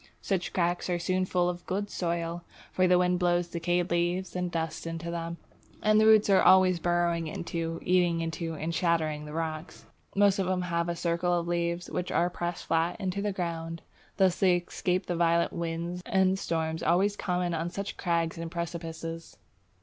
Such cracks are soon full of good soil, for the wind blows decayed leaves and dust into them, and the roots are always burrowing into, eating into, and shattering the rocks. Most of them have a circle of leaves which are pressed flat to the ground. Thus they escape the violent winds and storms always common on such crags and precipices.